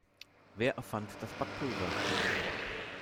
Wer erfand das Backpulver?